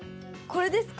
これですか？